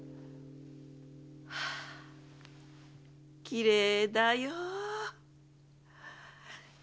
きれいだよ。